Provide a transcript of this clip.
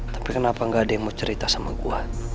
tapi kenapa gak ada yang mau cerita sama kuat